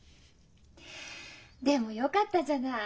でもよかったじゃない。